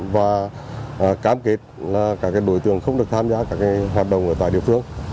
và cam kết là các đối tượng không được tham gia các hoạt động ở tại địa phương